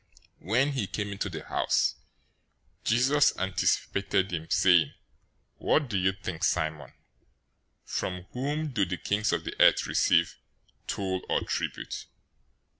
When he came into the house, Jesus anticipated him, saying, "What do you think, Simon? From whom do the kings of the earth receive toll or tribute?